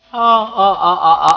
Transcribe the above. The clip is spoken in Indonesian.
kamu pikir kamu bisa menang